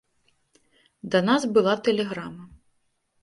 Да нас была тэлеграма.